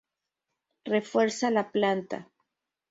Refuerza la planta.